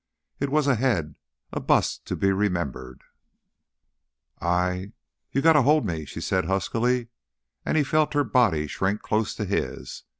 It was a head, a bust, to be remembered. "I You got to hold me," she said, huskily, and he felt her body shrink close to his.